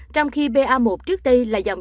trong khi ba một trước đây là dòng chủng